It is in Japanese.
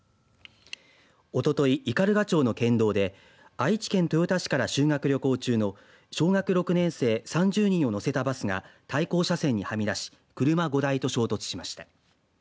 おととい、斑鳩町の県道で愛知県豊田市から修学旅行中の小学６年生３０人を乗せたバスが対向車線にはみ出し車５台と衝突しました。